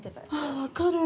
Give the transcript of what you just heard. あ分かる。